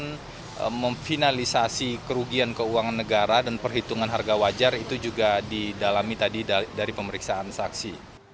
kemudian memfinalisasi kerugian keuangan negara dan perhitungan harga wajar itu juga didalami tadi dari pemeriksaan saksi